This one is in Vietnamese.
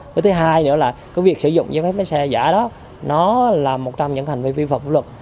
cái thứ hai nữa là cái việc sử dụng giấy phép lái xe giả đó nó là một trong những hành vi vi phạm pháp luật